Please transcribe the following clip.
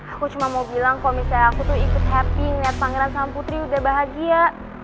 aku cuma mau bilang kalau misalnya aku tuh ikut happy ngeliat pangeran sang putri udah bahagia